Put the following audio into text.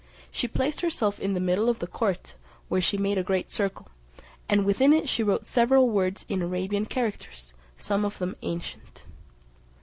She placed herself in the middle of the court, where she made a great circle, and within it she wrote several words in Arabian characters, some of them ancient.